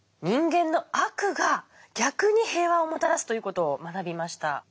人間の悪が逆に平和をもたらすという事を学びました。